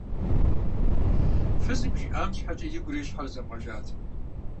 Фызым жиӀам щхьэкӀэ игурэ и щхьэрэ зэбгъэжат.